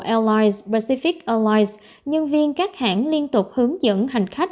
airlines pacific ois nhân viên các hãng liên tục hướng dẫn hành khách